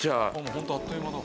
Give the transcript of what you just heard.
ホントあっという間だ。